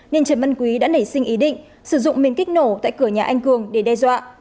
nên trần văn quý đã nảy sinh ý định sử dụng miến kích nổ tại cửa nhà anh cường để đe dọa